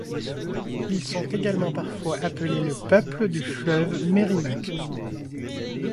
Ils sont également parfois appelés le peuple du fleuve Merrimack.